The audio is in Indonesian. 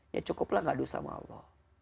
ya cukuplah ngadu sama allah